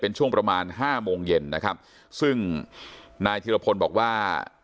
เป็นช่วงประมาณห้าโมงเย็นนะครับซึ่งนายธิรพลบอกว่า